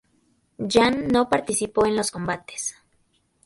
Yan no participó en los combates.